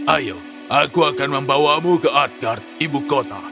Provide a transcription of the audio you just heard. ayo aku akan membawamu ke adgard ibu kota